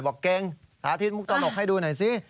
บอกเก่งสาธิตมุกตลกให้ดูหน่อยสิ